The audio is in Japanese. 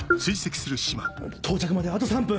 到着まであと３分。